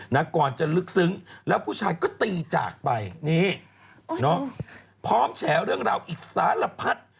นากรจะลึกซึ้งแล้วผู้ชายก็ตีจากไปนี่พร้อมแฉเรื่องราวอีกสารพัด